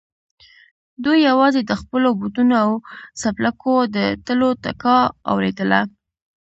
دوی يواځې د خپلو بوټونو او څپلکو د تلو ټکا اورېدله.